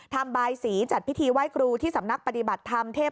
บายสีจัดพิธีไหว้ครูที่สำนักปฏิบัติธรรมเทพ